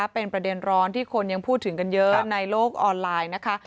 เป็นประเด็นร้อนที่คนยังพูดถึงกันเยอะในโลกออนไลน์นะคะ